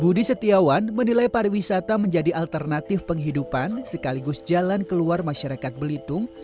budi setiawan menilai pariwisata menjadi alternatif penghidupan sekaligus jalan keluar masyarakat belitung